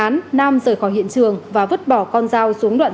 những người xung quanh